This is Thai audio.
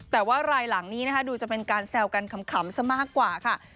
แต่ว่ารายหลังนี้นะคะดูจะเป็นการแซวกันขำซะมากกว่าค่ะ